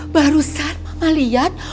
barusan mama lihat